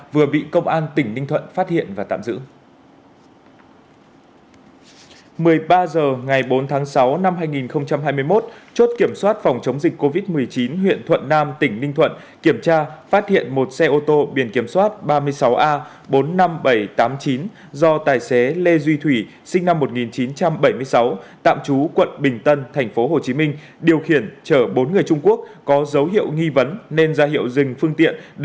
vừa bị công an tỉnh ninh thuận phát hiện và tạm biệt